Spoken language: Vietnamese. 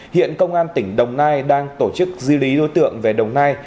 hiện công an tỉnh đồng nai đang tổ chức di lý đối tượng về đồng nai